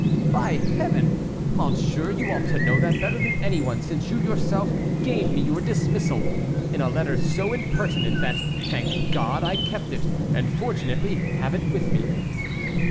"By Heaven! monsieur, you ought to know that better than any one, since you yourself gave me your dismissal, in a letter so impertinent that, thank God, I kept it, and fortunately have it with me."